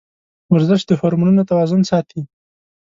ورزش د هورمونونو توازن ساتي.